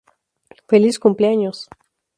Feliz cumpleaños.